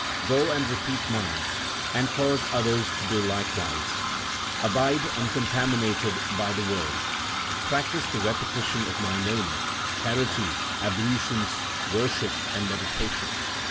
Go and repeat Mine, and cause others to do likewise. Abide uncontaminated by the world. Practise the repetition of My name, charity, ablutions, worship, and meditation.